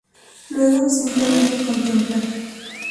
Luego simplemente contemplar.